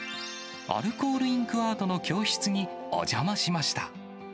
アルコールインクアートの教室にお邪魔しました。